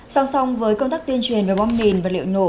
song song với công tác tuyên truyền về bom mìn vật liệu nổ